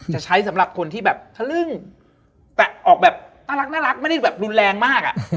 ใช้สำหรับคนที่แบบทะลึ่งแต่ออกแบบน่ารักไม่ได้แบบรุนแรงมากอ่ะ